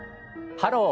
「ハロー！